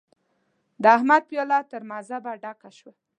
د احمد پياله تر مذهبه ډکه شوه.